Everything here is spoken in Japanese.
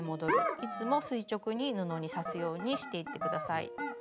いつも垂直に布に刺すようにしていって下さい。